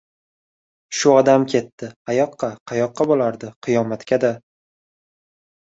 Shu odam ketdi! Qayoqqa? Qayoqqa bo‘lardi, qiyomatga-da!